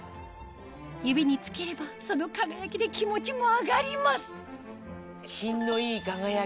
指に着ければその輝きで気持ちも上がります品のいい輝き。